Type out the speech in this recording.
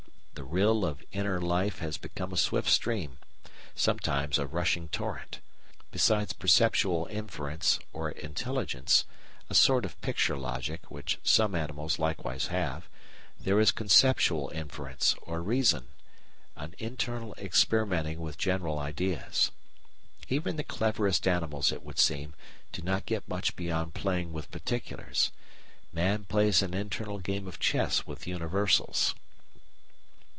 The rill of inner life has become a swift stream, sometimes a rushing torrent. Besides perceptual inference or Intelligence a sort of picture logic, which some animals likewise have there is conceptual inference or Reason an internal experimenting with general ideas. Even the cleverest animals, it would seem, do not get much beyond playing with "particulars"; man plays an internal game of chess with "universals."